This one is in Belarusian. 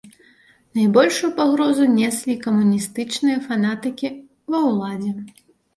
Найбольшую пагрозу неслі камуністычныя фанатыкі ва ўладзе.